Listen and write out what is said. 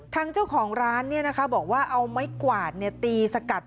ทางเจ้าของร้านเนี่ยนะคะบอกว่าเอาไม้กวาดเนี่ยตีสกัด